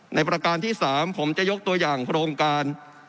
ประการที่๓ผมจะยกตัวอย่างโครงการ